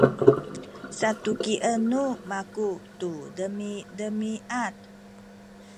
satukien nu maku tu demidemiad